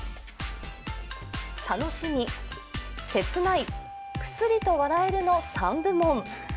楽しみ、切ない、クスリと笑えるの３部門。